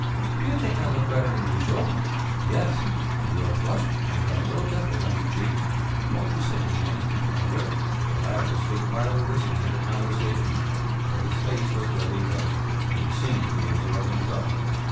"Do you think I look better than usual?" "Yes! You are flushed and there are little dimples in your cheeks! Won't you say good morning to Falander?" The latter stood quietly listening to the conversation, but his face was deadly white and he seemed to be absorbed in thought.